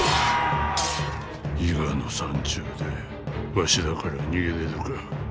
伊賀の山中でわしらから逃げれるか。